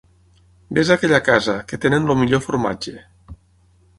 Ves a aquella casa, que tenen el millor formatge.